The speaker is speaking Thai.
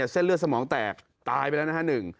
เส้นเลือดสมองแตก